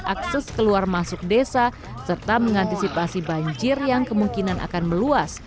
akses keluar masuk desa serta mengantisipasi banjir yang kemungkinan akan meluas